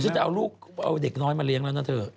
ก็ฉันจะเอาลูกเด็กน้อยมาเลี้ยงแล้วนะเถอะ